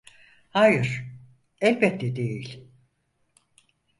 Hayır, elbette değil.